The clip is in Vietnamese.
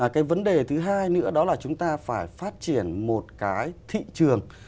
cái vấn đề thứ hai nữa đó là chúng ta phải phát triển một cái thị trường